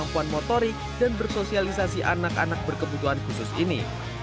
kemampuan motorik dan bersosialisasi anak anak berkebutuhan khusus ini